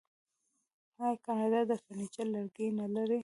آیا کاناډا د فرنیچر لرګي نلري؟